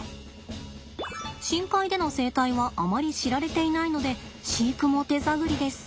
深海での生態はあまり知られていないので飼育も手探りです。